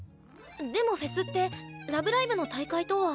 でもフェスって「ラブライブ！」の大会とは。